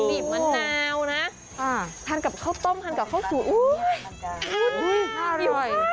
บีบมะนาวนะทานกับข้าวต้มทานกับข้าวสวยอุ้ยอร่อย